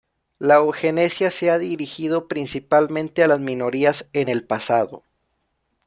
La eugenesia se ha dirigido principalmente a las minorías en el pasado.